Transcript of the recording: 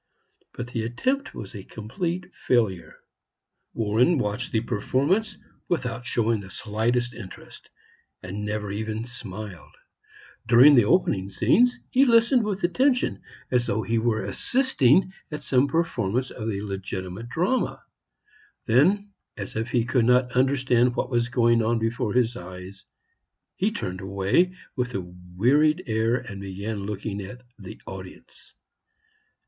But the attempt was a complete failure. Warren watched the performance without showing the slightest interest, and never even smiled. During the opening scenes he listened with attention, as though he were assisting at some performance of the legitimate drama; then, as if he could not understand what was going on before his eyes, he turned away with a wearied air and began looking at the audience.